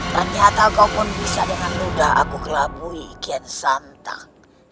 ternyata kau pun bisa dengan mudah aku kelabui kian santa